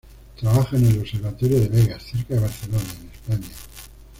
Trabaja en el observatorio de Begas cerca de Barcelona en España.